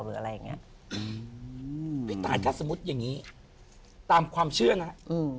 หรืออะไรอย่างเงี้ยอืมพี่ตายถ้าสมมุติอย่างงี้ตามความเชื่อนะฮะอืม